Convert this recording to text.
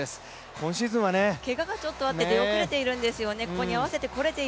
今シーズンはけががちょっとあって、出遅れているんですよね。